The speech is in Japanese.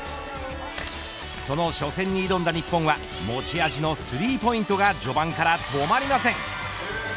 その初戦に挑んだ日本は持ち味のスリーポイントが序盤から止まりません。